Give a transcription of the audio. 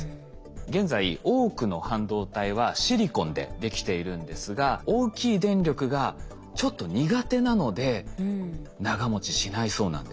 現在多くの半導体はシリコンでできているんですが大きい電力がちょっと苦手なので長もちしないそうなんです。